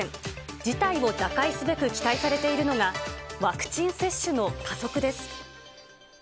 事態を打開すべく期待されているのが、ワクチン接種の加速です。